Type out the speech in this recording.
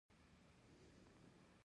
ستونزو سره مخامخ کړه سي.